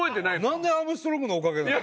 なんでアームストロングのおかげなの？